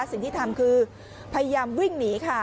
สิ่งที่ทำคือพยายามวิ่งหนีค่ะ